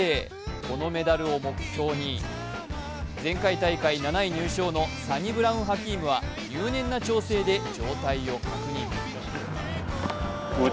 このメダルを目標に前回大会７位入賞のサニブラウン・ハキームは入念な調整で状態を確認。